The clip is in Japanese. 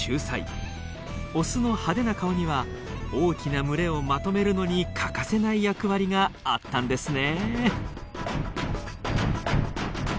オスの派手な顔には大きな群れをまとめるのに欠かせない役割があったんですね。